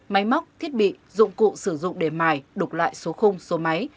máy móc thiết bị dụng cụ sử dụng để mài đục lại số khung số máy